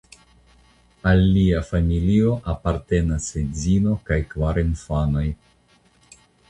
Al lia familio apartenas edzino kaj kvar infanoj.